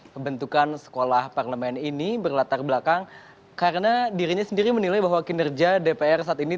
pembentukan sekolah parlemen ini berlatar belakang karena dirinya sendiri menilai bahwa kinerja dpr saat ini